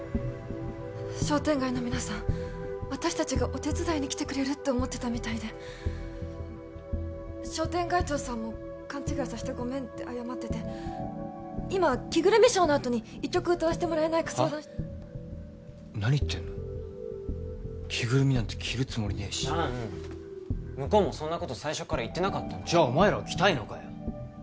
商店街の皆さん私達がお手伝いに来てくれるって思ってたみたいで商店街長さんも勘違いさせてごめんって謝ってて今着ぐるみショーのあとに１曲歌わせてもらえないか相談はっ何言ってんの着ぐるみなんて着るつもりねえし弾向こうもそんなこと最初から言ってなかったじゃあお前らは着たいのかよ